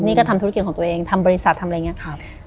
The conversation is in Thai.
นี่ก็ทำธุรกิจของตัวเองทำบริษัททำอะไรอย่างนี้ครับ